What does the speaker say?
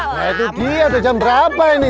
nah itu dia ada jam berapa ini